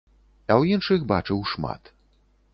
А ў іншых бачыў шмат.